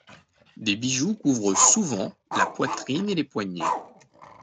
Des bijoux couvrent souvent la poitrine et les poignets.